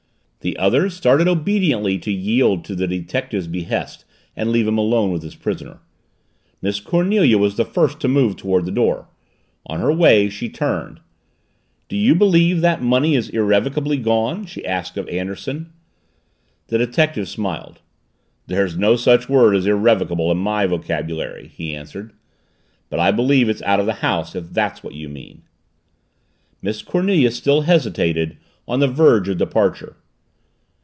The others started obediently to yield to the detective's behest and leave him alone with his prisoner. Miss Cornelia was the first to move toward the door. On her way, she turned. "Do you believe that money is irrevocably gone?" she asked of Anderson. The detective smiled. "There's no such word as 'irrevocable' in my vocabulary," he answered. "But I believe it's out of the house, if that's what you mean." Miss Cornelia still hesitated, on the verge of departure.